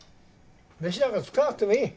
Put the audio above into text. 飯なんか作らなくてもいい。